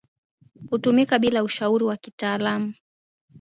hutumika bila ushauri wa kitaalamu